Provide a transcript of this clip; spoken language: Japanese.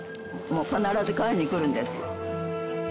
もう必ず買いに来るんです。